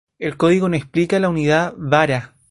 El código no explica la unidad "vara".